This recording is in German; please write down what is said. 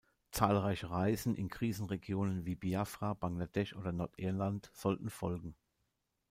Zahlreiche Reisen in Krisenregionen wie Biafra, Bangladesch oder Nordirland sollten folgen.